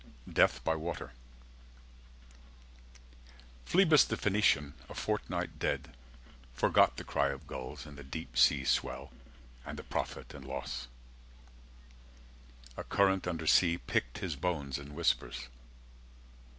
DEATH BY WATER Phlebas the Phoenician, a fortnight dead, Forgot the cry of gulls, and the deep sea swell And the profit and loss. A current under sea Picked his bones in whispers.